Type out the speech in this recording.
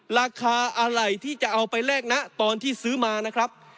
ราคาอะไรที่จะเอาไปแลกนะตอนที่ซื้อมานะครับ